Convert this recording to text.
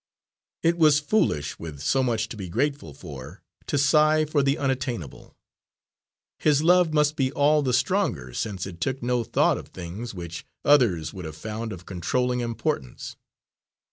It was foolish, with so much to be grateful for, to sigh for the unattainable. His love must be all the stronger since it took no thought of things which others would have found of controlling importance.